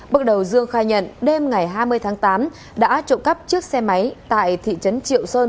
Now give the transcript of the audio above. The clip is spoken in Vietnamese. bước đầu dương khai nhận đêm ngày hai mươi tháng tám đã trộm cắp chiếc xe máy tại thị trấn triệu sơn